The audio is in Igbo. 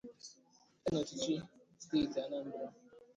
ya na ọchịchị steeti Anambra